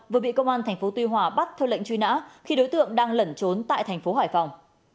vừa bị công an tp hcm bắt theo lệnh truy nã khi đối tượng đang lẩn trốn tại tp hcm